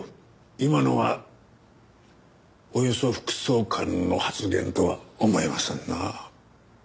今のはおよそ副総監の発言とは思えませんな。